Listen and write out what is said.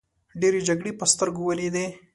ډیرې جګړې په سترګو ولیدې.